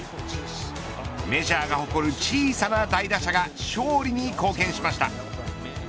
メジャーが誇る小さな大打者が勝利に貢献しました。